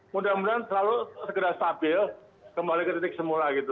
mudah mudahan selalu segera stabil kembali ke titik semula gitu